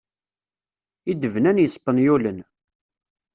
I d-bnan yispenyulen.